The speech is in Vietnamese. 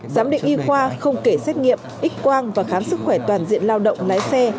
giám định y khoa không kể xét nghiệm x quang và khám sức khỏe toàn diện lao động lái xe